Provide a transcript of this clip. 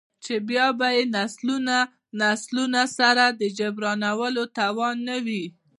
،چـې بـيا بـه يې نسلونه نسلونه سـره د جـبران ولـو تـوان نـه وي.